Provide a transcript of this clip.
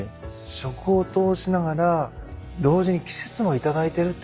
食を通しながら同時に季節も頂いてるって感じ。